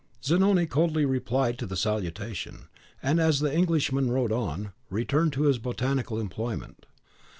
Zanoni coldly replied to the salutation; and as the Englishman rode on, returned to his botanical employment.